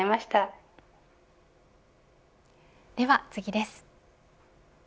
では次です。